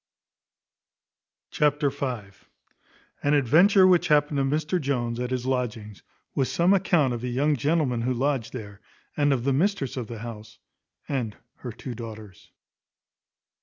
Chapter v. An adventure which happened to Mr Jones at his lodgings, with some account of a young gentleman who lodged there, and of the mistress of the house, and her two daughters.